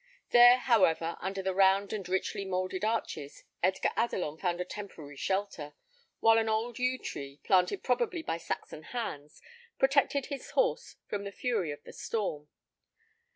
There, however, under the round and richly moulded arches, Edgar Adelon found a temporary shelter, while an old yew tree, planted probably by Saxon hands, protected his horse from the fury of the storm.